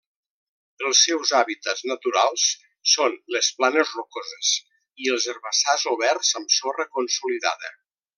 Els seus hàbitats naturals són les planes rocoses i els herbassars oberts amb sorra consolidada.